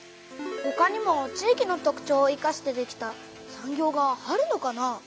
ほかにも地域の特ちょうをいかしてできた産業があるのかな？